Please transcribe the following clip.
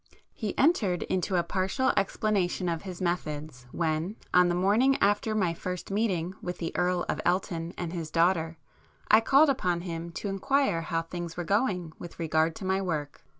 He entered into a partial explanation of his methods, when, on the morning after my first meeting with the Earl of Elton and his daughter, I called upon him to inquire how things were going with regard to my book.